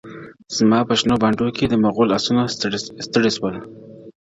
زما په شنو بانډو کي د مغول آسونه ستړي سول-